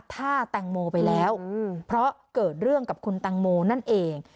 ถ้าแตงโมไปแล้วเพราะเกิดเรื่องกับคุณแตงโมนั่นเอง